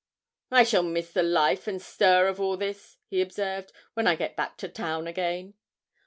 'I shall miss the life and stir of all this,' he observed, 'when I get back to town again.'